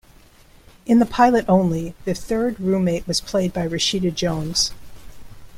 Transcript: In the pilot only, the third roommate was played by Rashida Jones.